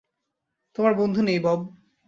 তোমার বন্ধু নেই, বব।